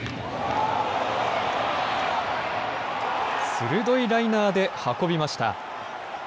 鋭いライナーで運びました。